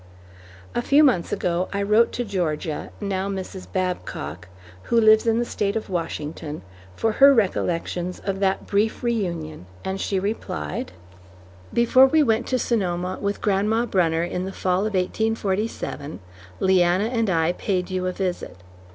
A few months ago, I wrote to Georgia (now Mrs. Babcock), who lives in the State of Washington, for her recollections of that brief reunion, and she replied: Before we went to Sonoma with Grandma Brunner in the Fall of 1847, Leanna and I paid you a visit.